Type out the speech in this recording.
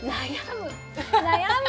悩む！